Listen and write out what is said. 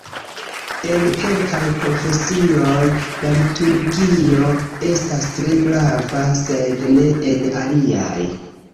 En kelkaj konfesioj, la liturgio estas tre grava, sed ne en aliaj.